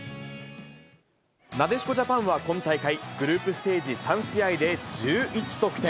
なでしこジャパンは今大会、グループステージ３試合で１１得点。